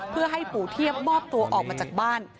เพื่อให้ปูเทียบออกมาจากบ้าน